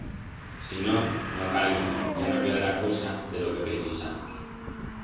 Si no, no cal ir, ya no quedará cosa de lo que precisamos.